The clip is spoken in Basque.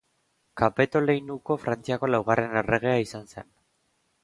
Kapeto leinuko Frantziako laugarren erregea izan zen.